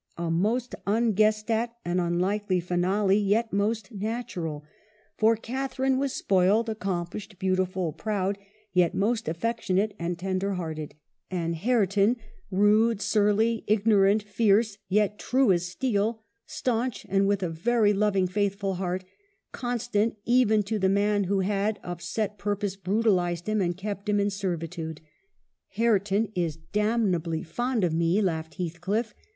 A most unguessed at and un likely finale ; yet most natural. For Catharine « WUTHERING HEIGHTS: 271 was spoiled, acomplished, beautiful, proud — yet most affectionate and tender hearted : and Hare ton rude, surly, ignorant, fierce ; yet true as steel, stanch, and with a very loving faithful heart, constant even to the man who had, of set pur pose, brutalized him and kept him in servitude. "' Hareton is damnably fond of me !' laughed Heathcliff.